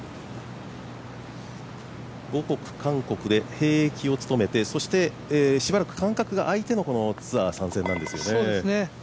母国・韓国で兵役を務めてそして、しばらく間隔が空いてのツアー参戦なんですよね。